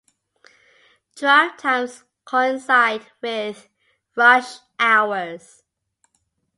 Drive times coincide with "rush hours".